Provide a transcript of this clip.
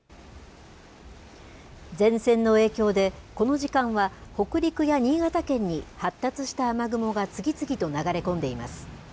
前線の影響で、この時間は北陸や新潟県に発達した雨雲が次々と流れ込んでいます。